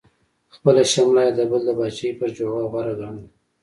خپله شمله یې د بل د پاچاهۍ پر جوغه غوره ګڼله.